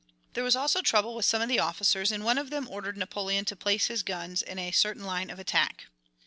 There was also trouble with some of the officers, and one of them ordered Napoleon to place his guns in a certain line of attack.